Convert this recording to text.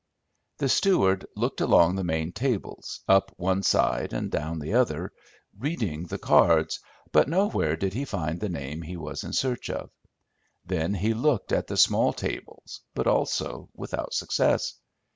The steward looked along the main tables, up one side and down the other, reading the cards, but nowhere did he find the name he was in search of. Then he looked at the small tables, but also without success.